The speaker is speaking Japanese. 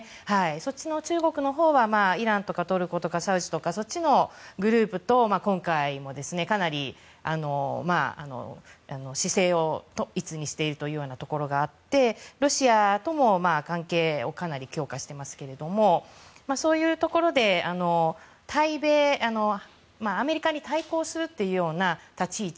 そっちの中国のほうはイランとかトルコとかサウジとか、そっちのグループと今回もかなり姿勢を一にしているところがあってロシアとも関係をかなり強化していますけどもそういうところでアメリカに対抗するというような立ち位置